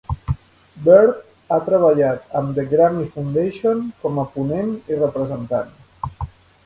Byrd ha treballat amb The Grammy Foundation com a ponent i representant.